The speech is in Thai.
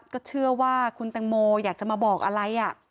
ก็เชื่อว่าคุณแตงโมอยากจะมาบอกอะไร